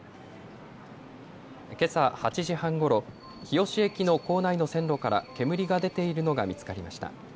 けさ８時半ごろ、日吉駅の構内の線路から煙が出ているのが見つかりました。